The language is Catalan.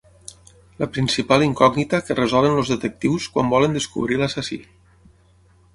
La principal incògnita que resolen els detectius quan volen descobrir l'assassí.